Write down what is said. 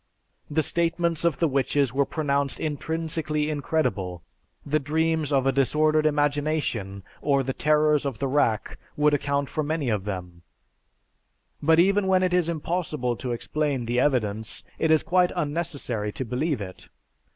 The statements of the witches were pronounced intrinsically incredible. The dreams of a disordered imagination, or the terrors of the rack, would account for many of them; but even when it is impossible to explain the evidence, it is quite unnecessary to believe it.